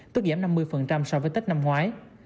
tức giảm năm mươi so với tết năm ngoái